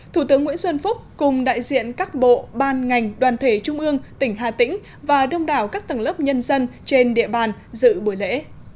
thủ tướng nguyễn xuân phúc cùng đại diện các bộ ban ngành đoàn thể trung ương tỉnh hà tĩnh và đông đảo các tầng lớp nhân dân trên địa bàn dự buổi lễ